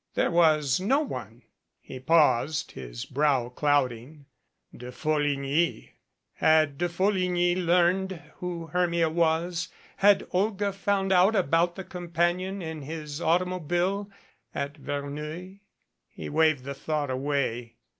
There was no one he paused, his brow clouding. De Folligny! Had De Folligny learned who Hermia was? Had Olga found out about the com panion in his automobile at Verneuil? He waved the thought away.